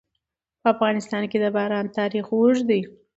په افغانستان کې د باران تاریخ اوږد دی.